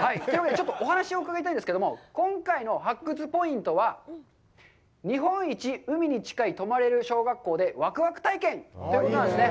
ちょっとお話を伺いたいんですけど、今回の発掘ポイントは、日本一海に近い泊まれる小学校でワクワク体験！ということなんですね。